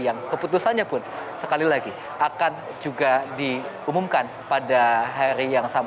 yang keputusannya pun sekali lagi akan juga diumumkan pada hari yang sama